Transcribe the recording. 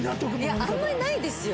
いやあんまりないですよ。